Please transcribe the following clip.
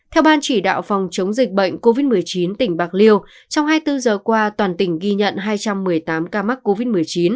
theo ban chỉ đạo phòng chống dịch bệnh covid một mươi chín tỉnh bạc liêu trong hai mươi bốn giờ qua toàn tỉnh ghi nhận hai trăm một mươi tám ca mắc covid một mươi chín